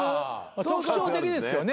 特徴的ですけどね。